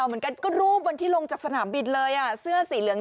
เหมือนกันก็รูปวันที่ลงจากสนามบินเลยอ่ะเสื้อสีเหลือง